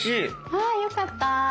あよかった。